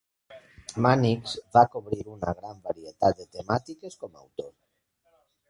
Mannix va cobrir una gran varietat de temàtiques com a autor.